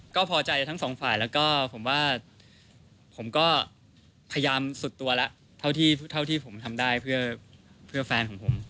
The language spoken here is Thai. ก็พอใจทั้งสองฝ่ายแล้วก็ผมว่าผมก็พยายามสุดตัวแล้วเท่าที่ผมทำได้เพื่อแฟนของผม